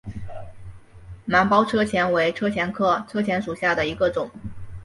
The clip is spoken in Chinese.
芒苞车前为车前科车前属下的一个种。